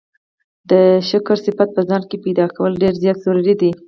د شکر صفت په ځان کي پيدا کول ډير زيات ضروري دی